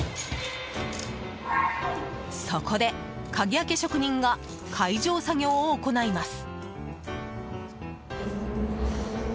そこで、鍵開け職人が解錠作業を行います。